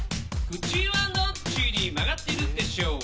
「口はどっちに曲がってるでしょう？」